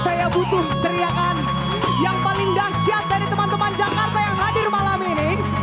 saya butuh teriakan yang paling dahsyat dari teman teman jakarta yang hadir malam ini